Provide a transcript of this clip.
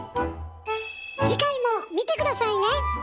次回も見て下さいね！